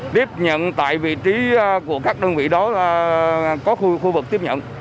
tiếp nhận tại vị trí của các đơn vị đó là có khu vực tiếp nhận